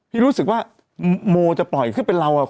ที่รู้สึกว่าโมจะปล่อยขึ้นเป็นเรา